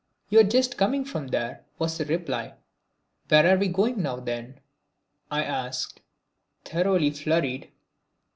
"You are just coming from there," was the reply. "Where are we going now, then?" I asked, thoroughly flurried.